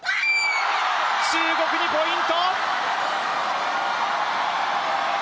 中国にポイント！